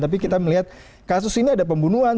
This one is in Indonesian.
tapi kita melihat kasus ini ada pembunuhan